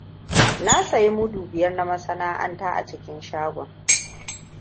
Na sayi mudu biyar na masana'anta a cikin shagon.